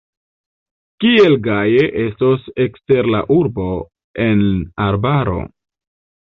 Kiel gaje estos ekster la urbo, en arbaro!